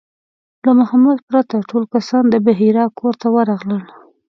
له محمد پرته ټول کسان د بحیرا کور ته ورغلل.